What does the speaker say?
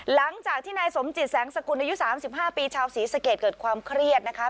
หลังจากที่นายสมจิตแสงสกุลอายุ๓๕ปีชาวศรีสะเกดเกิดความเครียดนะคะ